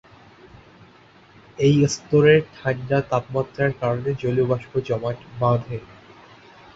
এই স্তরের ঠান্ডা তাপমাত্রার কারণে জলীয় বাষ্প জমাট বাঁধে।